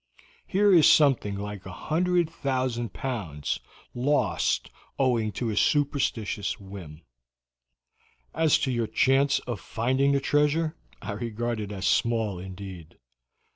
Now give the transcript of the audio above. Here is something like 100,000 pounds lost owing to a superstitious whim. As to your chance of finding the treasure, I regard it as small indeed.